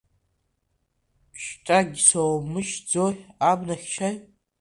Шьҭагьы соуумышьҭӡои, абнахьчаҩ?